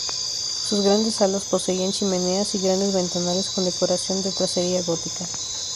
Sus grandes salas poseían chimeneas y grandes ventanales con decoración de tracería gótica.